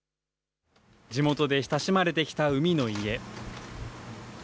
地元で親しまれてきた海の家。